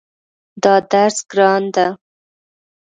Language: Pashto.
دا درس ګران ده